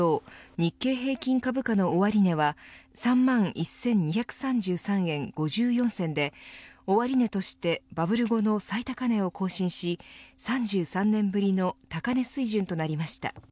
日経平均株価の終値は３万１２３３円５４銭で終値としてバブル後の最高値を更新し３３年ぶりの高値水準となりました。